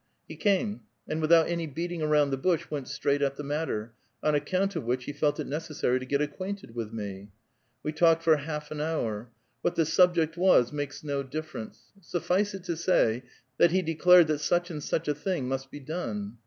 He came ; and without any beating aronnd the bush, went straight at the matter, on account of which he felt it neces sary to get acquainted with me. We talked for half an hour. What the subject was, makes no difference ; suffice it to say, that he declared that such and such a thing must be done.